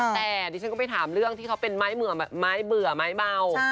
แต่ดิฉันก็ไปถามเรื่องที่เขาเป็นไม้เบื่อไม้เบา